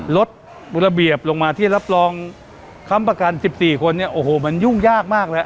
ลดระเบียบลงมาที่รับรองค้ำประกัน๑๔คนเนี่ยโอ้โหมันยุ่งยากมากแล้ว